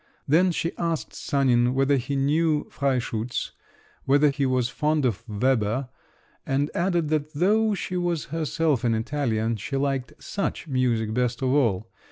Then she asked Sanin whether he knew "Freischütz," whether he was fond of Weber, and added that though she was herself an Italian, she liked such music best of all.